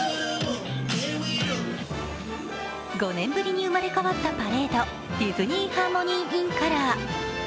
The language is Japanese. ５年ぶりに生まれ変わったパレード、ディズニー・ハーモニー・イン・カラー。